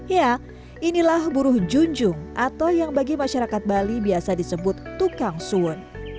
ya inilah buruh junjung atau yang bagi masyarakat bali biasa disebut tukang sun